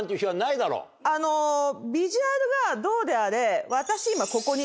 ビジュアルがどうであれ。